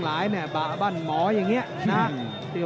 โอ้โหแดงโชว์อีกเลยเดี๋ยวดูผู้ดอลก่อน